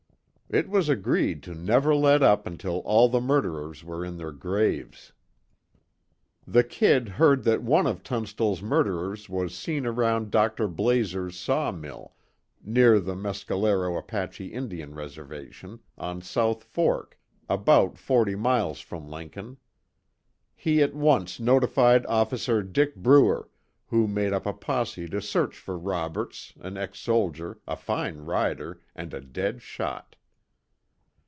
It was agreed to never let up until all the murderers were in their graves. The "Kid" heard that one of Tunstall's murderers was seen around Dr. Blazer's saw mill, near the Mescalero Apache Indian Reservation, on South Fork, about forty miles from Lincoln. He at once notified Officer Dick Bruer, who made up a posse to search for Roberts, an ex soldier, a fine rider, and a dead shot.